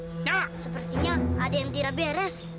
enggak sepertinya ada yang tidak beres